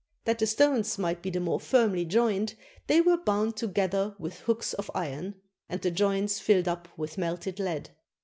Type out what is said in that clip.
That the stones might be the more firmly joined, they were bound together with hooks of iron, and the joints filled up with melted lead.